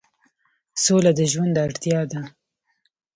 سوله د ژوند اړتیا ده